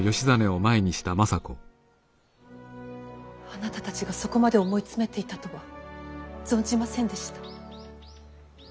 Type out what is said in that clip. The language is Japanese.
あなたたちがそこまで思い詰めていたとは存じませんでした。